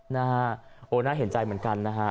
นะฮะโอ้น่าเห็นใจเหมือนกันนะฮะ